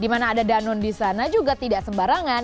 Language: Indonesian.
di mana ada danone di sana juga tidak sembarangan